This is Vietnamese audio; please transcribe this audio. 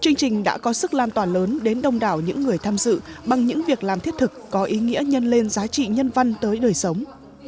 chương trình đã có sức lan tỏa lớn đến đông đảo những người tham dự bằng những việc làm thiết thực có ý nghĩa nhân lên giá trị nhân văn tới đời sống